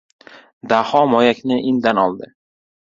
Daho moyakni indan oldi.